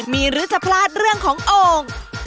มีหรือจะพลาดเรื่องของโอ่ง